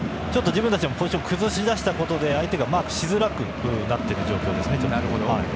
自分たちでもポジションを崩しだしたことで相手がマークしづらくなっている状況ですね。